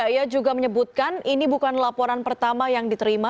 ia juga menyebutkan ini bukan laporan pertama yang diterima